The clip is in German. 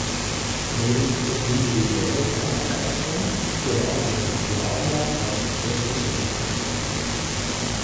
Neben dieser individuellen Auszeichnung gewann er mit Slavia auch die tschechische Meisterschaft.